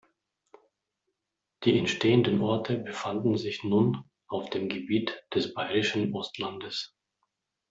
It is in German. Die entstehenden Orte befanden sich nun auf dem Gebiet des Baierischen Ostlandes.